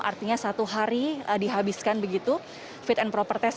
artinya satu hari dihabiskan begitu fit and proper test